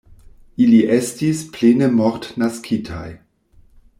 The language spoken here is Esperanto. Ili estis plene mortnaskitaj.